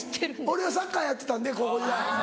俺はサッカーやってたんで高校時代。